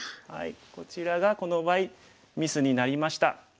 こちらがこの場合ミスになりました。